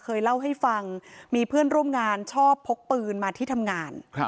เคยเล่าให้ฟังมีเพื่อนร่วมงานชอบพกปืนมาที่ทำงาน